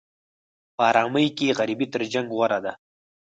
په ارامۍ کې غریبي تر جنګ غوره ده.